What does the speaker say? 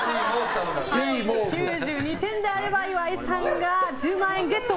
９２点であれば岩井さんが１０万円ゲット。